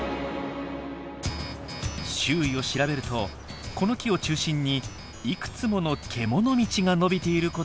周囲を調べるとこの木を中心にいくつもの獣道が伸びていることが分かりました。